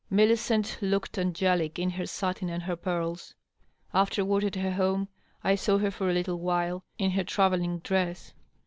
Millicent looked angelic in her satin and her pearls. .• Afterward, at her home, I saw her for a little while, in her travelling dress.